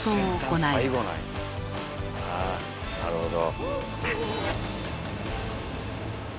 あなるほど。